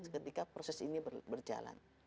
ketika proses ini berjalan